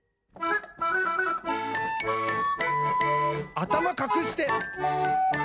「あたまかくして！」